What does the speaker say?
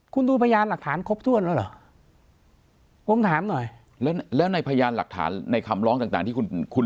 คุณดูพยานหลักฐานครบถ้วนแล้วเหรอผมถามหน่อยแล้วแล้วในพยานหลักฐานในคำร้องต่างที่คุณคุณ